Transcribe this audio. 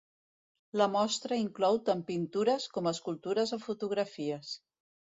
La mostra inclou tant pintures, com escultures o fotografies.